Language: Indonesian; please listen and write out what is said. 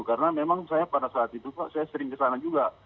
karena memang saya pada saat itu saya sering ke sana juga